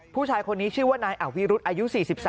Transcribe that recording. ผู้ชายคนนี้ชื่อว่านายอวิรุธอายุ๔๓